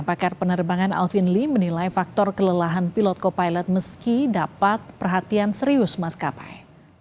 pakar penerbangan alvin lee menilai faktor kelelahan pilot co pilot meski dapat perhatian serius maskapai